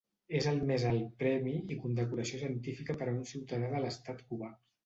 És el més alt premi i condecoració científica per a un ciutadà de l'estat cubà.